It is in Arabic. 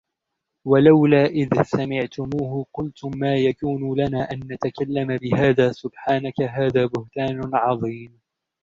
وَلَوْلَا إِذْ سَمِعْتُمُوهُ قُلْتُمْ مَا يَكُونُ لَنَا أَنْ نَتَكَلَّمَ بِهَذَا سُبْحَانَكَ هَذَا بُهْتَانٌ عَظِيمٌ